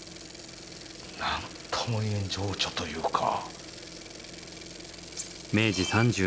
何とも言えん情緒というか。